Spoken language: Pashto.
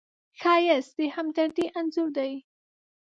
ښایست د همدردۍ انځور دی